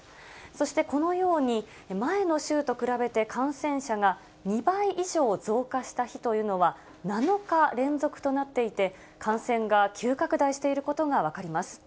そしてこのように、前の週と比べて感染者が２倍以上増加した日というのは、７日連続となっていて、感染が急拡大していることが分かります。